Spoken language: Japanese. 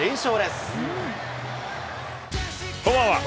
こんばんは。